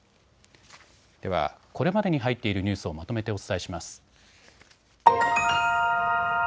では、これまでに入っているニュースをまとめてお伝えします。